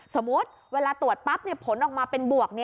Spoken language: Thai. สมมุติเวลาตรวจปั๊บผลออกมาเป็นบวก